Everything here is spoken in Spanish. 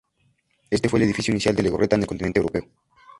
Este fue el edificio inicial de Legorreta en el continente europeo.